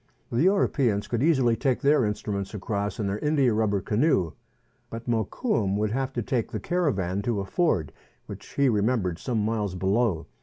The Europeans could easily take their instruments across in their india rubber canoe ; but Mokoum would have to take the caravan to a ford which he remem bered some miles below.